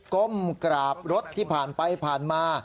ก้มกราบรถที่ผ่านไปผ่านมา